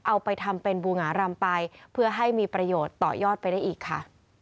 เอาไปทำเป็นบูหงารำไปเพื่อให้มีประโยชน์ต่อยอดไปได้อีกค่ะ